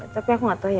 tapi aku gak tau ya